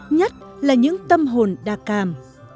nhất là những tâm hồn đa càm